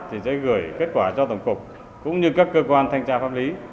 thì sẽ gửi kết quả cho tổng cục cũng như các cơ quan thanh tra pháp lý